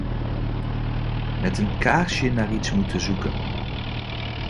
Met een kaarsje naar iets moeten zoeken.